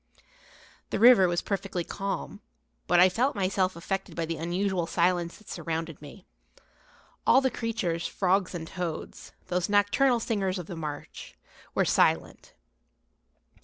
The river was perfectly calm, but I felt myself affected by the unusual silence that surrounded me. All the creatures, frogs and toads, those nocturnal singers of the marsh, were silent.